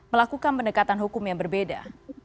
melakukan pendekatan hukum yang berbeda